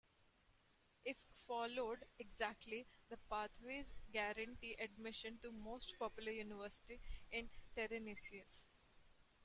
If followed exactly, the pathways guarantee admission to most public universities in Tennessee.